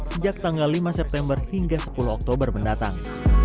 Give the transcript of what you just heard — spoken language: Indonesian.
sejak tanggal lima september hingga sepuluh oktober mendatang